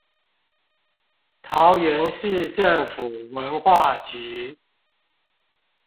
桃園市政府文化局